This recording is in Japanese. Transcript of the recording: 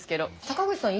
坂口さん